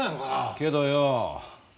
けどよ